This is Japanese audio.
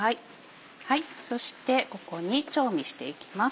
そしてここに調味していきます。